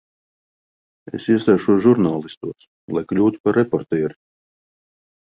Es iestāšos žurnālistos, lai kļūtu par reportieri.